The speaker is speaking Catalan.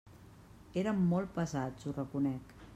Érem molt pesats, ho reconec.